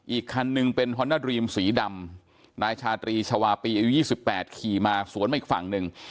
อีกคันหนึ่งเป็นฮอนนาดรีมสีดำนายชาตรีชาวาปีอายุ๒๘ขี่มาสวนมาอีกฝั่งหนึ่ง